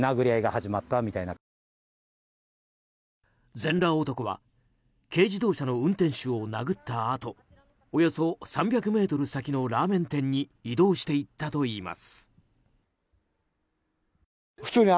全裸男は軽自動車の運転手を殴ったあとおよそ３００ｍ先のラーメン店に移動していったといいます。